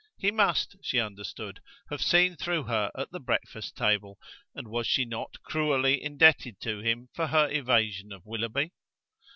He must, she understood, have seen through her at the breakfast table: and was she not cruelly indebted to him for her evasion of Willoughby?